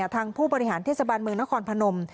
ทางผู้บริหารเทศบาลเมืองนครพนม